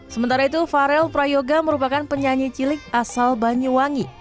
sementara itu farel prayoga merupakan penyanyi cilik asal banyuwangi